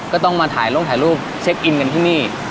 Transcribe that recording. ก็ต้องมาถ่ายลงถ่ายรูปเช็คอินกันที่นี่